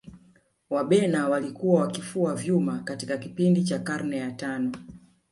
Wabena walikuwa wakifua vyuma katika kipindi cha karne ya tano